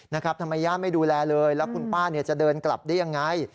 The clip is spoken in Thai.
ทำไมย่าไม่ดูแลเลยแล้วคุณป้าเนี่ยจะเดินกลับได้ยังไง